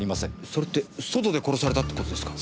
それって外で殺されたってことですか？